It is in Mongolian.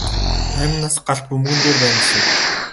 Амь нас галт бөмбөгөн дээр байна гэсэн үг.